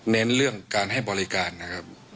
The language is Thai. เน้นเรื่องการให้บริการนะครับ